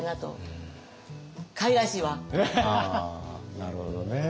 ああなるほどね。